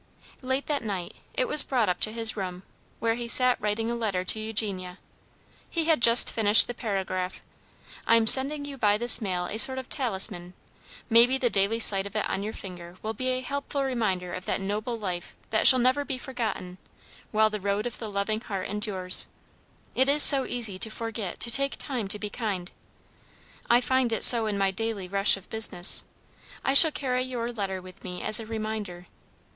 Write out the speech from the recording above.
Late that night it was brought up to his room, where he sat writing a letter to Eugenia. He had just finished the paragraph: "I am sending you by this mail a sort of talisman. Maybe the daily sight of it on your finger will be a helpful reminder of that noble life that shall never be forgotten, while the Road of the Loving Heart endures. It is so easy to forget to take time to be kind. I find it so in my daily rush of business. I shall carry your letter with me as a reminder.